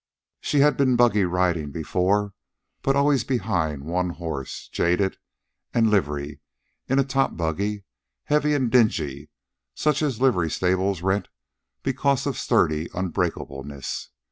She had been buggy riding before, but always behind one horse, jaded, and livery, in a top buggy, heavy and dingy, such as livery stables rent because of sturdy unbreakableness.